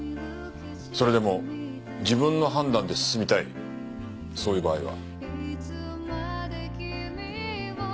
それでも自分の判断で進みたいそういう場合は？